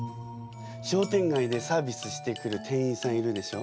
商店街でサービスしてくる店員さんいるでしょ？